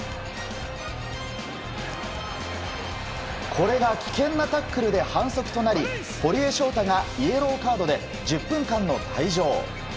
これが危険なタックルで反則となり堀江翔太がイエローカードで１０分間の退場。